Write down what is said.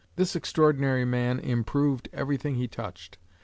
This extraordinary man improved everything he touched.